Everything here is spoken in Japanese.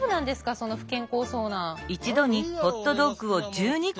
その不健康そうな。